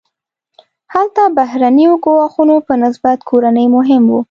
هلته بهرنیو ګواښونو په نسبت کورني مهم وو.